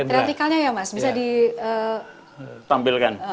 teatricalnya ya mas bisa di